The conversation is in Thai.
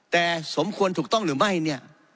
แต่สมควรถูกต้องหรือไม่เนี่ย